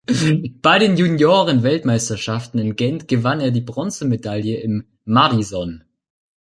Bei den Junioren-Weltmeisterschaften in Gent gewann er die Bronzemedaille im Madison.